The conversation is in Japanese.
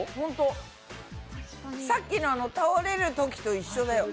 さっきのあの倒れるときと一緒だよ。